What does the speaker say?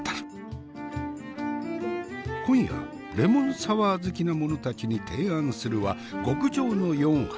今夜レモンサワー好きな者たちに提案するは極上の４杯。